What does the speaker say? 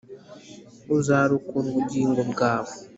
Uzarokora ubugingo bwawe